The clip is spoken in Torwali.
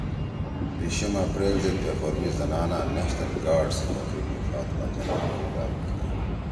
بیشم اپریل زید پیخور می زنانہ نشنل گارڈز سی تقریب می فاطمہ جناح خطاب کی